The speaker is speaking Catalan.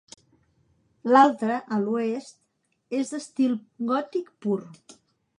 L'altre, a l'oest, és d'estil gòtic pur.